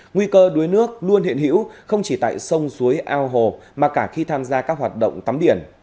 nguy cơ đuối nước luôn hiện hữu không chỉ tại sông suối ao hồ mà cả khi tham gia các hoạt động tắm biển